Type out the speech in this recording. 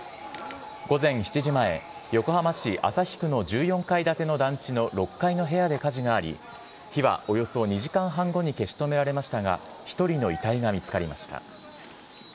午前７時前、横浜市旭区の１４階建ての団地の６階の部屋で火事があり、火はおよそ２時間半後に消し止められましたが、１人の遺体が見つかりました。